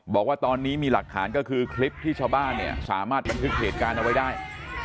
บอกว่าตอนนี้มีหลักฐานก็คือคลิปที่ชาวบ้านเนี่ยสามารถบันทึกเหตุการณ์เอาไว้ได้